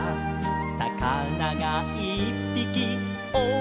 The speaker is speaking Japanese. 「さかながいっぴきおよいでて」